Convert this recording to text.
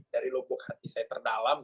dari lubuk hati saya terdalam